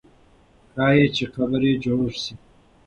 ښایي چې قبر یې جوړ سي.